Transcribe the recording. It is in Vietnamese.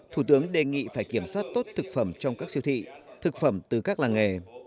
thủ tướng đề nghị phải kiểm soát tốt thực phẩm trong các siêu thị thực phẩm từ các làng nghề